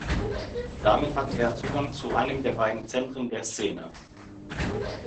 Damit hat er Zugang zu einem der beiden Zentren der Szene.